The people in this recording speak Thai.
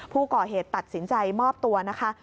ผู้ก่อเหตุตัดสินใจมอบตัวนะคะ